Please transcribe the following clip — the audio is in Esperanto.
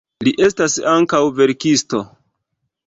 Li estas ankaŭ verkisto.